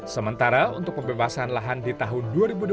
sementara untuk pembebasan lahan di tahun dua ribu dua puluh dua